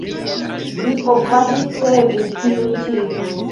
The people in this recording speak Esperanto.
Li povas ricevi tiun ĉi.